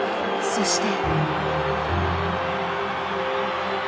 そして。